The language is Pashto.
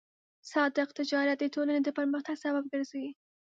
صادق تجارت د ټولنې د پرمختګ سبب ګرځي.